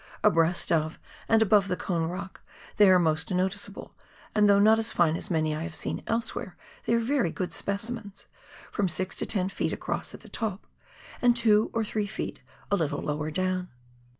Abreast of and above the Cone Rock they are most noticeable, and though not as fine as many I have seen elsewhere, they are very good specimens — from six to ten feet across at the top and two or three feet a little lower down.